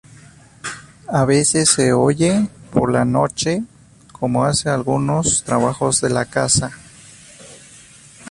A veces se oye, por la noche, como hace algunos trabajos de la casa.